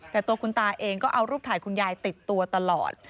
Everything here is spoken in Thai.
แต่ตัวคุณตาเองก็เอารูปถ่ายคุณยายติดตัวตลอด